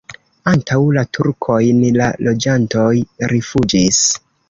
Antaŭ la turkojn la loĝantoj rifuĝis.